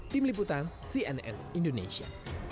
tim liputan cnn indonesia